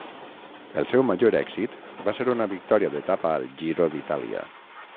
El seu major èxit va ser una victòria d'etapa al Giro d'Itàlia.